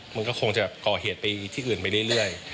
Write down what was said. มันก็คงจะก่อเหตุไปที่อื่นไปเรื่อย